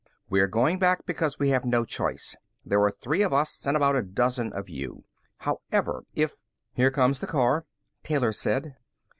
"We are going back because we have no choice. There are three of us and about a dozen of you. However, if " "Here comes the car," Taylor said.